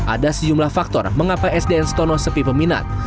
ada sejumlah faktor mengapa sdn stono sepi peminat